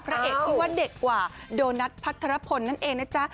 พระเอกที่ว่าเด็กกว่าโดนัทพัทรพลนั่นเองนะจ๊ะ